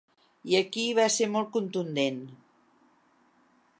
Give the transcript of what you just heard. I aquí va ser molt contundent.